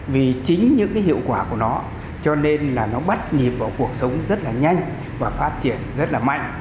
vì chính những cái hiệu quả của nó cho nên là nó bắt nhịp vào cuộc sống rất là nhanh và phát triển rất là mạnh